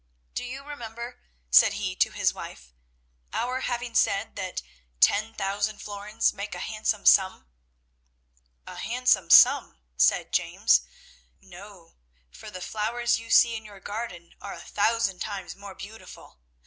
Do you remember," said he to his wife, "our having said that ten thousand florins make a handsome sum. 'A handsome sum!' said James, 'no; for the flowers you see in your garden are a thousand times more beautiful.